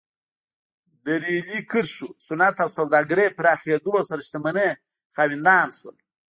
د ریلي کرښو، صنعت او سوداګرۍ پراخېدو سره شتمنۍ خاوندان شول.